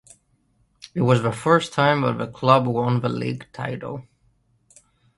It was the first time that the club won the league title.